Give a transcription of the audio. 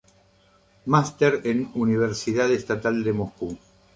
Máster en Universidad Estatal de Moscú.